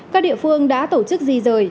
các địa phương đã tổ chức di rời